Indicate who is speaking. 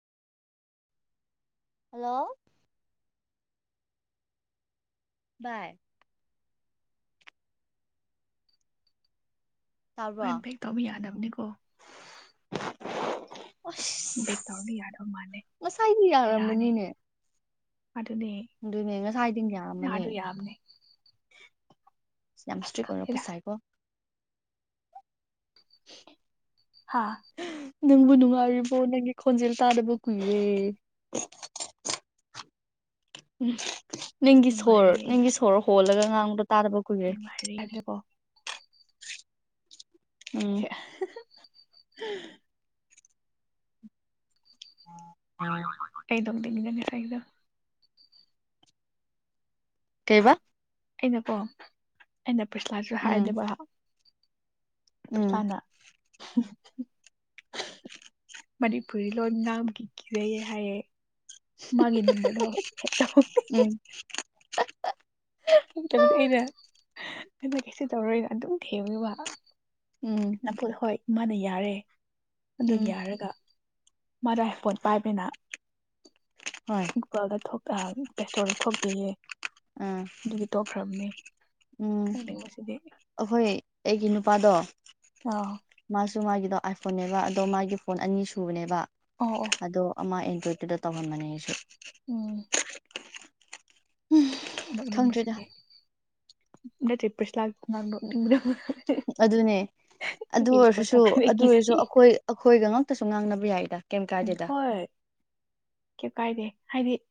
Speaker 1: hello
Speaker 2: [inaudible]
Speaker 1: ꯕꯥꯏ ꯇꯥꯕ꯭ꯔꯣ
Speaker 2: ꯕꯥꯏ ꯕ‌ꯦꯛ ꯇꯧꯕ ꯌꯥꯗꯕꯅꯤꯀꯣ ꯕꯦꯛ ꯇꯧꯔꯗꯤ
Speaker 1: ꯑꯁ
Speaker 2: ꯌꯥꯗꯕ ꯃꯥꯜꯂꯦ
Speaker 1: ꯉꯁꯥꯏꯗꯤ
Speaker 2: ꯕꯦꯔꯥꯅꯤ
Speaker 1: ꯌꯥꯔꯝꯕꯅꯤꯅꯦ
Speaker 2: ꯑꯗꯨꯅꯦ
Speaker 1: ꯑꯗꯨꯅꯦ ꯉꯁꯥꯏꯗꯤ ꯌꯥꯝꯃꯅꯦ
Speaker 2: ꯑꯗꯨꯅ‌ꯦ
Speaker 1: ꯌꯥꯝ ꯏꯁꯇ꯭ꯔꯤꯛ ꯑꯣꯏꯔꯛꯄ
Speaker 2: ꯈꯪꯗꯦꯗ
Speaker 1: ꯁꯥꯏꯀꯣ
Speaker 2: ꯍꯥꯥ
Speaker 1: ꯅꯪꯕꯨ ꯅꯨꯡꯉꯥꯏꯔꯤꯕꯣ ꯅꯪꯒꯤ ꯈꯣꯟꯖꯦꯜ ꯇꯥꯗꯕ ꯀꯨꯏꯔꯦ ꯎꯝ ꯅꯪꯒꯤ ꯁꯣꯔ
Speaker 2: ꯅꯨꯡꯉꯥꯏꯔꯤ
Speaker 1: ꯅꯪꯒꯤ ꯁꯣꯔ ꯍꯣꯜꯂꯒ ꯉꯥꯡꯕꯗ‌ꯣ ꯇꯥꯗꯕ ꯀꯨꯏꯔꯦ
Speaker 2: ꯅꯨꯡꯉꯔꯤꯅꯦꯀꯣ
Speaker 1: ꯎꯝ
Speaker 2: ꯁ‌ꯦ ꯍꯥ ꯍꯥ
Speaker 1: [inaudible]
Speaker 2: ꯀꯩ ꯂꯝꯗꯒꯤꯅ‌ꯣ ꯉꯁꯥꯏꯒꯤꯗꯣ
Speaker 1: ꯀꯩꯕ
Speaker 2: ꯑꯩꯅꯀꯣ ꯑꯩꯅ ꯄꯔꯤꯁꯂꯥꯁꯨ
Speaker 1: ꯎꯝ
Speaker 2: ꯍꯥꯏꯗꯕ
Speaker 1: ꯎꯝ
Speaker 2: ꯄꯔ‌ꯦꯁꯂꯥꯅ ꯃꯅꯤꯄꯨꯔꯤ ꯂꯣꯟ ꯉꯥꯡꯕꯒꯤ ꯀꯤꯖꯩ ꯍꯥꯏꯌꯦ ꯃꯥꯒꯤ ꯅꯝꯕ꯭ꯔꯗ‌ꯣ ꯍ‌ꯦꯛ [unintelligible]
Speaker 1: ꯎꯝ
Speaker 2: ꯈꯦꯇꯕꯨꯗꯤ ꯑꯩꯅ ꯑꯩꯅ ꯀꯩꯁꯨ ꯇꯧꯔꯣꯏꯅ ꯑꯗꯨꯝ ꯊꯦꯝꯕꯅ‌ꯦ ꯃꯥ
Speaker 1: ꯎꯝ
Speaker 2: ꯅꯝꯐꯨꯗ ꯍꯣꯏ ꯃꯥꯅ ꯌꯥꯔꯦ ꯑꯗꯨ
Speaker 1: ꯎꯝ
Speaker 2: ꯌꯥꯔꯒ ꯃꯥꯗ‌ꯣ ꯑꯥꯏ ꯐꯣꯟ ꯄꯥꯏꯕꯅꯤꯅ
Speaker 1: ꯍꯣꯏ
Speaker 2: ꯀ‌ꯣꯜꯗ‌ꯣ ꯊꯣꯛ ꯇ ꯄ꯭ꯂꯦꯁ꯭ꯇꯣꯔꯗ ꯊꯣꯛꯇꯦꯌꯦ
Speaker 1: ꯎꯡ
Speaker 2: ꯗꯨꯒꯤ ꯇꯣꯛꯈ꯭ꯔꯕꯅꯦ
Speaker 1: ꯎꯝ
Speaker 2: ꯅꯣꯛꯅꯤꯡꯕꯁꯤꯗꯤ
Speaker 1: ꯑꯩꯈꯣꯏ ꯑꯩꯒꯤ ꯅꯨꯄꯥꯗꯣ
Speaker 2: ꯑꯥ
Speaker 1: ꯃꯥꯁꯨ ꯃꯥꯒꯤꯗꯣ ꯑꯥꯏꯐꯣꯟꯅꯦꯕ ꯑꯗꯣ ꯃꯥꯒꯤ ꯐꯣꯟ ꯑꯅꯤ ꯁꯨꯕꯅꯦꯕ
Speaker 2: ꯑꯣ ꯑꯣ
Speaker 1: ꯑꯗꯣ ꯑꯃ ꯑꯦꯟꯗ꯭ꯔꯣꯏꯠꯇꯨꯗ ꯇꯧꯍꯟꯕꯅꯦ ꯑꯩꯁꯨ
Speaker 2: ꯎꯝ
Speaker 1: ꯈꯪꯗ꯭ꯔꯦꯗ
Speaker 2: ꯅꫭꯛꯅꯤꯡꯕꯁꯤꯗꯤ ꯅꯠꯇꯦ ꯄꯔꯤꯁꯂꯥꯛ ꯈꯨꯉꯥꯡ ꯅꫭꯛꯅꯤꯡꯕꯗꫭ
Speaker 1: ꯑꯗꯨꯅꯦ ꯑꯗꯨ ꯑꯣꯏꯔꯁꯨ-ꯁꯨ
Speaker 2: ꯇꯧꯈ꯭ꯔꯦ ꯑꯩ
Speaker 1: ꯑꯗꯨ ꯑꯣꯏꯔꯁꯨ
Speaker 2: ꯀꯤꯖꯩꯌꯦ
Speaker 1: ꯑꯩꯈꯣꯏ ꯑꯩꯈꯣꯏꯒ ꯉꯥꯛꯇꯁꯨ ꯉꯥꯡꯅꯕ ꯌꯥꯏꯗ ꯀꯦꯝ ꯀꯥꯏꯗꯦꯗ
Speaker 2: ꯀꯦꯝ ꯀꯥꯏꯗꯦ ꯍꯥꯏꯗꯤ